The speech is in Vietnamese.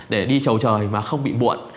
để đi trầu trời mà không bị buộn